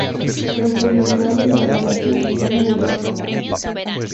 Su especialidad en la abogacía es la de Derechos Humanos.